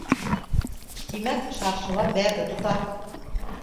— Тимәк, шаршыла бәрҙе тота